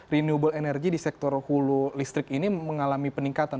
renewable energy di sektor hulu listrik ini mengalami peningkatan